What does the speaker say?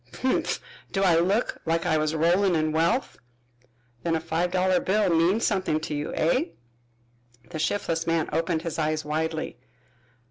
"Humph! Do I look like I was rollin' in wealth?" "Then a five dollar bill means something to you, eh?" The shiftless man opened his eyes widely.